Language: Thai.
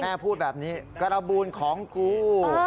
พูดแบบนี้การบูลของกู